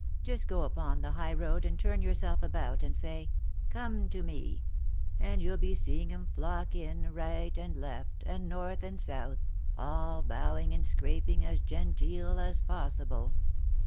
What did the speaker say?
Just go upon the high road and turn yourself about, and say, * Come to me/ and you'll be seeing 'em flock in, right and left, and north and south, all bowing and scraping as genteel as possible.